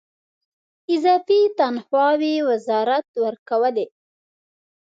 اضافي تنخواوې وزارت ورکولې.